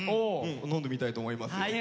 飲んでみたいと思います。